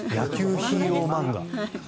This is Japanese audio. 野球ヒーロー漫画。